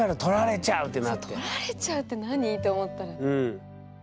「取られちゃう！」って何って思ったら。